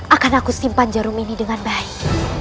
akan aku simpan jarum ini dengan baik